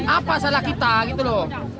apa salah kita gitu loh